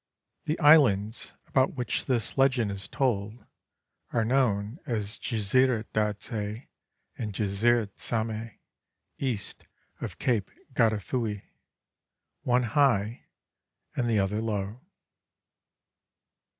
The islands about which this legend is told are known as Jezírat Darzé and Jezírat Samhé, east of Cape Gardafui—one high and the other low.